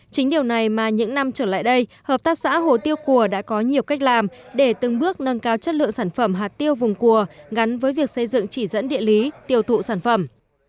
chính điều này mà những năm trở lại đây hợp tác xã hồ tiêu cùa đã có nhiều cách làm để từng bước nâng cao chất lượng sản phẩm hạt tiêu vùng cùa gắn với việc xây dựng chỉ dẫn địa lý tiêu thụ sản phẩm